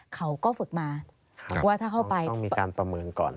เขาก็ฝึกมาว่าถ้าเข้าไปต้องมีการประเมินก่อน